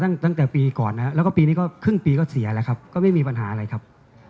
อันนั้นเป็นเวลาตอนรอบจ่ายภาพมีในลักษณะที่ใช้ได้ไหมครับ